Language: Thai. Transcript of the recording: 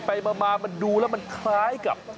ไปมามันดูแล้วมันคล้ายกับ